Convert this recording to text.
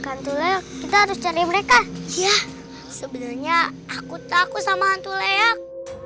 kandungan kita harus cari mereka ya sebenarnya aku takut sama hantu leyak